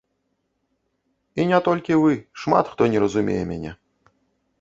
І не толькі вы, шмат хто не разумее мяне.